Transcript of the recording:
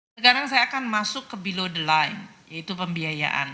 sekarang saya akan masuk ke below the line yaitu pembiayaan